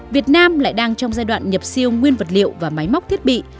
việt nam lại đang trong giai đoạn nhập siêu nguyên vật liệu và máy móc thiết bị